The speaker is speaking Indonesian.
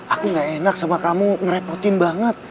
aku gak enak sama kamu ngerepotin banget